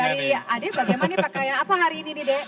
kalau dari adek bagaimana pakaian apa hari ini nih d